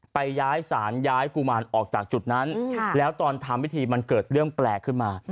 ย้ายสารย้ายกุมารออกจากจุดนั้นแล้วตอนทำพิธีมันเกิดเรื่องแปลกขึ้นมา